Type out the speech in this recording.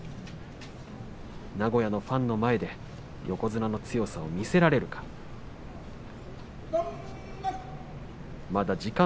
名古屋のファンの前で横綱の強さを見せられるかどうか。